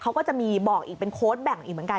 เขาก็จะมีบอกอีกเป็นโค้ดแบ่งอีกเหมือนกัน